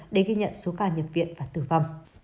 để ghi nhận số ca nhập viện và tử vong